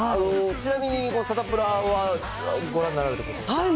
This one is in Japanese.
ちなみに、サタプラはご覧になられたことは？